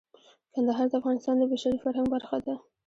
کندهار د افغانستان د بشري فرهنګ برخه ده.